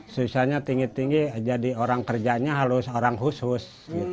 susahnya tinggi tinggi jadi orang kerjanya harus orang khusus